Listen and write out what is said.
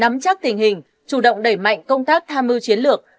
nắm chắc tình hình chủ động đẩy mạnh công tác tham mưu chiến lược